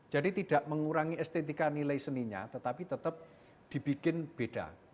jadi tidak mengurangi estetika nilai seninya tetapi tetap dibikin beda